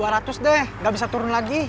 rp dua ratus deh nggak bisa turun lagi